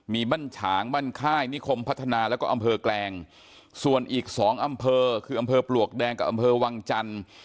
มีบ้านฉางบ้านค่ายนิคมพัฒนาแล้วก็อำเภอแกลงส่วนอีก๒อำเภอคืออำเภอปลวกแดงกับอำเภอวังจันทร์